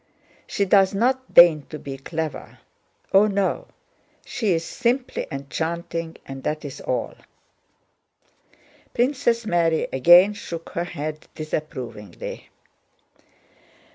She does not deign to be clever.... Oh no, she is simply enchanting, and that is all." Princess Mary again shook her head disapprovingly.